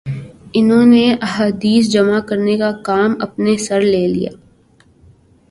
انہوں نے احادیث جمع کرنے کا کام اپنے سر لے لیا